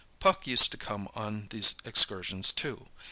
Puck used to come on these excursions too.